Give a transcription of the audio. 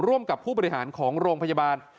ร่วมกับผู้บริหารของโรงพยาบาล